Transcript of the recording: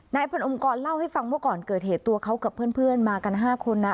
พนอมกรเล่าให้ฟังว่าก่อนเกิดเหตุตัวเขากับเพื่อนมากัน๕คนนะ